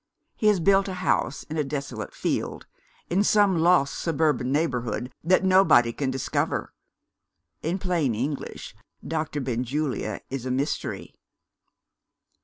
He has built a house in a desolate field in some lost suburban neighbourhood that nobody can discover. In plain English, Dr. Benjulia is a mystery."